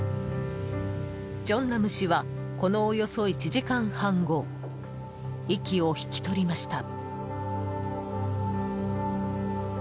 正男氏は、このおよそ１時間半後息を引き取りました。